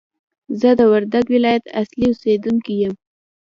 زه د وردګ ولایت اصلي اوسېدونکی یم!